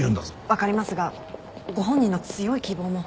わかりますがご本人の強い希望も。